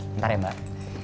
bentar ya mbak